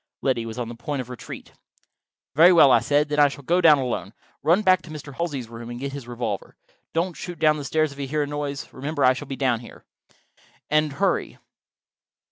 Liddy was on the point of retreat. "Very well," I said, "then I shall go down alone. Run back to Mr. Halsey's room and get his revolver. Don't shoot down the stairs if you hear a noise: remember—I shall be down there. And hurry."